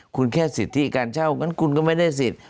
คุณแค่สิทธิการเช่างั้นคุณก็ไม่ได้สิทธิ์